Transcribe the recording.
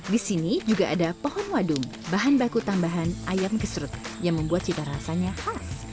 di sini juga ada pohon wadung bahan baku tambahan ayam kesrut yang membuat cita rasanya khas